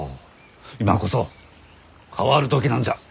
今こそ変わる時なんじゃ。